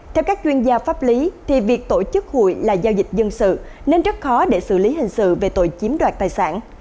theo các chuyên gia pháp lý thì việc tổ chức hội là giao dịch dân sự nên rất khó để xử lý hình sự về tội chiếm đoạt tài sản